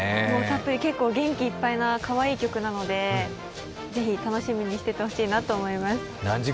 元気いっぱいなかわいい曲なので、ぜひ楽しみにしててほしいなと思います。